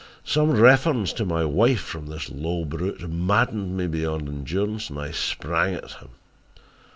"Some reference to my wife from this low brute maddened me beyond endurance and I sprang at him.